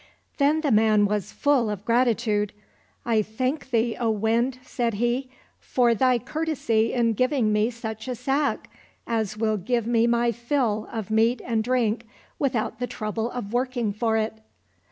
Then the man was full of gratitude. " I thank thee, Wind !" said he, " for thy courtesy in giving me such a sack as will give me my fill of meat and drink without the trouble of working for it."